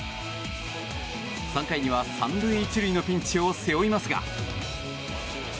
３回には、３塁１塁のピンチを背負いますが。